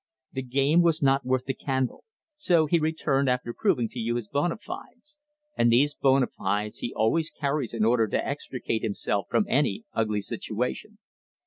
"The game was not worth the candle. So he returned after proving to you his bona fides. And these bona fides he always carries in order to extricate himself from any ugly situation."